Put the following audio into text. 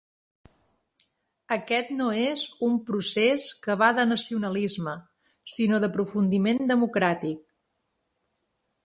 Aquest no és un procés que va de nacionalisme, sinó d’aprofundiment democràtic.